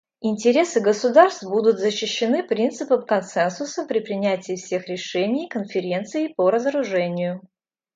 Интересы государств будут защищены принципом консенсуса при принятии всех решений Конференцией по разоружению.